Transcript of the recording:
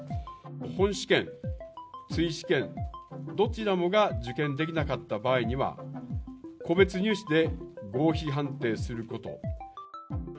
本試験・追試験、どちらもが受験できなかった場合には、個別入試で合否判定すること。